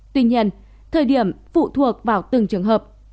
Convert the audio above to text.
tuy nhiên thời điểm phụ thuộc vào từng trường hợp